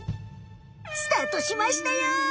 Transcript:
スタートしましたよ！